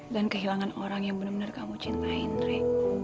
dan kehilangan orang yang benar benar kamu cintai nere